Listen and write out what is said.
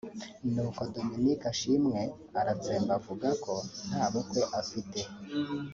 nuko Dominic Ashimwe aratsemba avuga ko nta bukwe afite